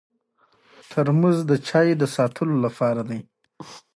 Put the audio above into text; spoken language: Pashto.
دوی په مستقیم ډول محصولات له تولیدونکو پیرل.